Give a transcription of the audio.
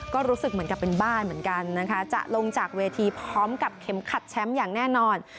ก็รู้สึกเหมือนกับเป็นบ้านเหมือนกันนะคะจะลงจากเวทีพร้อมกับเข็มขัดแชมป์อย่างแน่นอน